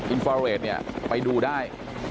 อินฟาร์เวทเนี่ยไปดูได้